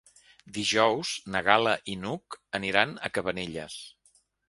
Dijous na Gal·la i n'Hug aniran a Cabanelles.